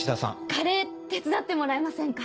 カレー手伝ってもらえませんか？